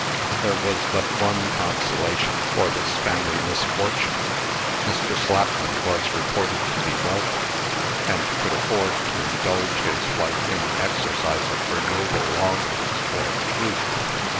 There was but one consolation for this family misfortune. Mr. Slapman was reported to be wealthy, and could afford to indulge his wife in the exercise of her noble longings for TRUTH.